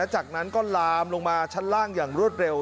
จากนั้นก็ลามลงมาชั้นล่างอย่างรวดเร็ว